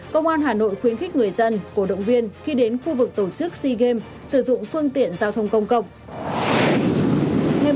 công an hà nội khuyến khích người dân cổ động viên khi đến khu vực tổ chức sea games sử dụng phương tiện giao thông công cộng